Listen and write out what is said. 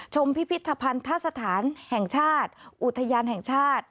พิพิธภัณฑสถานแห่งชาติอุทยานแห่งชาติ